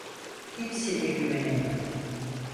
Kimseye güvenemem.